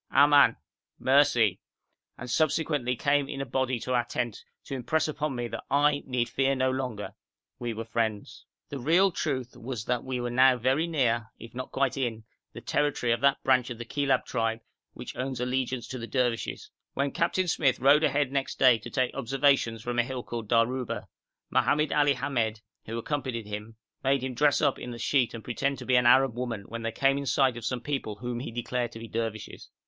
aman!' (mercy!) and subsequently came in a body to our tent to impress upon me that I need fear no longer we were friends. The real truth was that we were now very near, if not quite in, the territory of that branch of the Kilab tribe which owns allegiance to the Dervishes; when Captain Smyth rode ahead next day to take observations from a hill called Darurba, Mohamed Ali Hamed, who accompanied him, made him dress up in a sheet and pretend to be an Arab woman when they came in sight of some people whom he declared to be Dervishes.